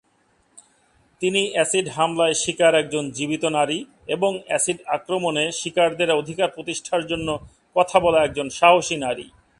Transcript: তিনি অ্যাসিড হামলায় শিকার একজন জীবিত নারী এবং অ্যাসিড আক্রমণে শিকারদের অধিকার প্রতিষ্ঠার জন্য কথা বলা একজন সাহসী নারী।